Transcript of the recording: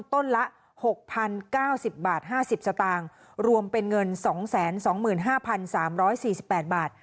ต้นละหกพันเก้าสิบบาทห้าสิบสตางค์รวมเป็นเงินสองแสนสองหมื่นห้าพันสามร้อยสี่สิบแปดบาท